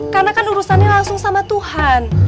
karena kan urusannya langsung sama tuhan